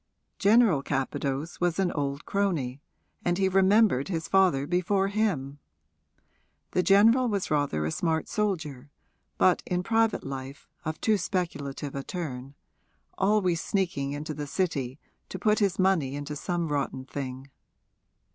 General Capadose was an old crony, and he remembered his father before him. The general was rather a smart soldier, but in private life of too speculative a turn always sneaking into the City to put his money into some rotten thing.